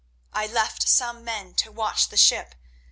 I left some men to watch the ship.